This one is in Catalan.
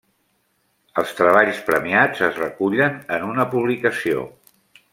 Els treballs premiats es recullen en una publicació.